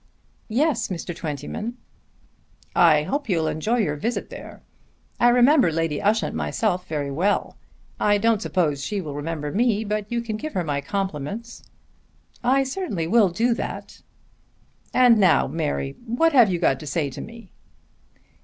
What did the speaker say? "Yes, Mr. Twentyman." "I hope you'll enjoy your visit there. I remember Lady Ushant myself very well. I don't suppose she will remember me, but you can give her my compliments." "I certainly will do that." "And now, Mary, what have you got to say to me?"